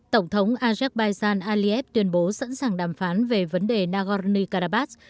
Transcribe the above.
tổng thống azerbaijan aliev tuyên bố sẵn sàng đàm phán về vấn đề nagorno karabakh